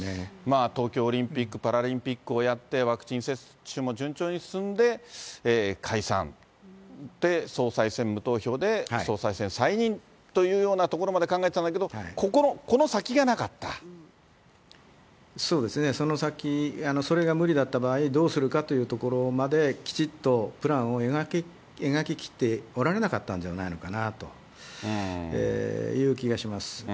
東京オリンピック・パラリンピックをやって、ワクチン接種も順調に進んで解散、で、総裁選無投票で総裁選再任というようなところまで考えてたんだけそうですね、その先、それが無理だった場合、どうするかというところまできちっとプランを描ききっておられなかったんじゃないのかなという気がします。